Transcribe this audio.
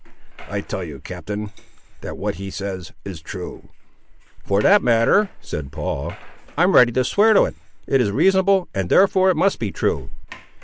I tell you, captain, that what he says is true." "For that matter," said Paul, "I'm ready to swear to it. It is reasonable, and therefore it must be true."